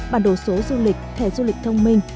bản đồ số du lịch thẻ du lịch thông minh